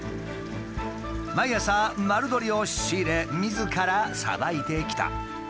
毎朝丸鶏を仕入れみずからさばいてきた。